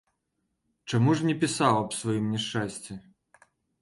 Чаму ж не пісаў аб сваім няшчасці?